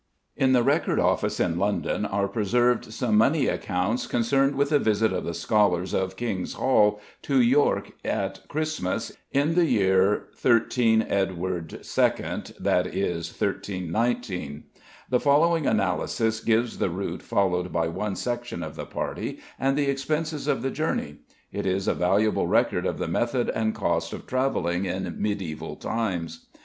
In the Record Office in London are preserved some money accounts concerned with a visit of the scholars of King's Hall to York at Christmas in the year 13 Edward II, that is, in 1319. The following analysis gives the route followed by one section of the party and the expenses of the journey: it is a valuable record of the method and cost of travelling in medieval times.